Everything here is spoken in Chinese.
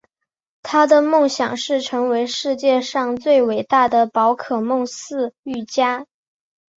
他的梦想是成为世界上最伟大的宝可梦饲育家。